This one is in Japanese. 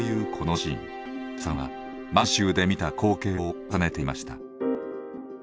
ちばさんは満州で見た光景を重ねていました。